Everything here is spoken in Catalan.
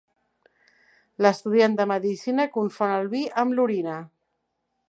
L'estudiant de medicina confon el vi amb l'orina.